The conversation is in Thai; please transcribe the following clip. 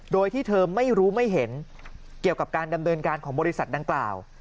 โดยที่เธอไม่รู้ไม่เห็นเกี่ยวกับการดำเนินการของบริษัทดังกล่าว